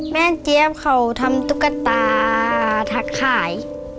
เจี๊ยบเขาทำตุ๊กตาถักขาย